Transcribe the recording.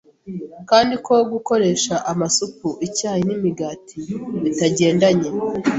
kandi ko gukoresha amasupu, icyayi n’imigati bitagendanye